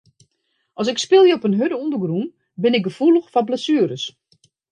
As ik spylje op in hurde ûndergrûn bin ik gefoelich foar blessueres.